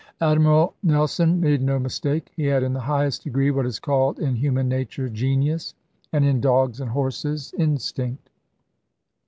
Admiral Nelson made no mistake. He had in the highest degree what is called in human nature "genius," and in dogs and horses "instinct."